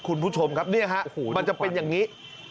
คุณผู้ชมครับนี่ฮะมันจะเป็นอย่างนี้